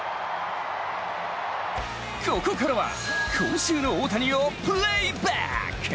ここからは今週の大谷をプレイバック！